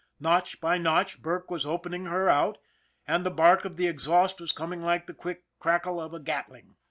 Notch by notch Burke was opening her out, and the bark of her exhaust was coming like the quick crackle of a gatling.